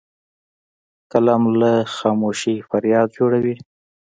قلم له خاموشۍ فریاد جوړوي